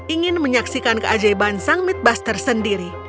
ingin menyaksikan keajaiban sang midbuster sendiri